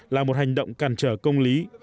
là một hành động cản trở công lý